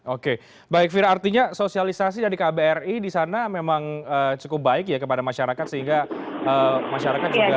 oke baik fira artinya sosialisasi dari kbri di sana memang cukup baik ya kepada masyarakat sehingga masyarakat juga